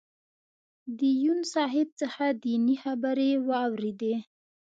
د یون صاحب څخه دینی خبرې واورېدې.